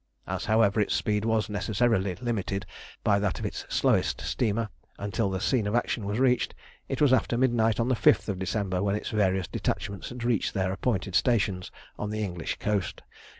As, however, its speed was necessarily limited by that of its slowest steamer until the scene of action was reached, it was after midnight on the 5th of December when its various detachments had reached their appointed stations on the English coast.